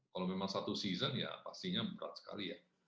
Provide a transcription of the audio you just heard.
kalau memang satu season ya pastinya berat sekali ya